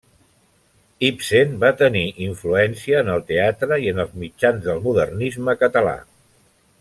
Ibsen va tenir influència en el teatre i en els mitjans del modernisme català.